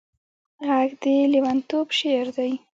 غږ د لېونتوب شعر دی